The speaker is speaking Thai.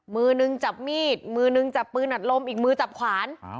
มือนึงจับมีดมือนึงจับปืนอัดลมอีกมือจับขวาน